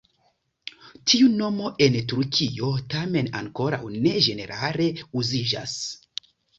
Tiu nomo en Turkio tamen ankoraŭ ne ĝenerale uziĝas.